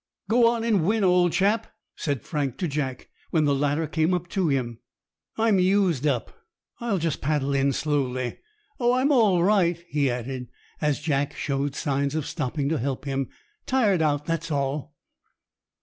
"Go on and win, old chap," said Frank to Jack, when the latter came up to him. "I'm used up. I'll just paddle in slowly. Oh, I'm all right," he added, as Jack showed signs of stopping to help him, "Tired out, that's all."